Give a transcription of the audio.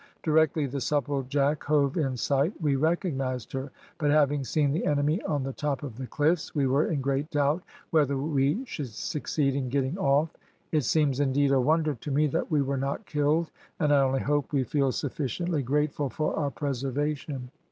Directly the Supplejack hove in sight we recognised her; but having seen the enemy on the top of the cliffs, we were in great doubt whether we should succeed in getting off it seems, indeed, a wonder to me that we were not killed, and I only hope we feel sufficiently grateful for our preservation."